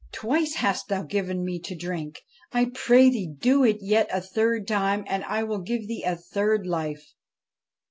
Twice hast thou given me to drink ; I pray thee, do it yet a third time and I will give thee a third life.'